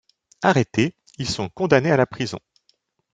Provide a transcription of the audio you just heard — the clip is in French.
Arrêtés, ils sont condamnés à la prison.